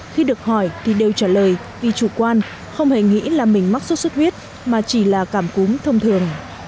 khi được hỏi thì đều trả lời vì chủ quan không hề nghĩ là mình mắc sốt xuất huyết mà chỉ là cảm cúm thông thường